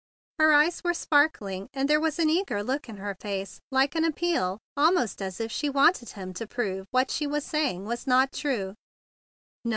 Her eyes were spark¬ ling, and there was an eager look in her face, like an appeal, almost as if she wanted him to prove what she was say¬ ing was not true.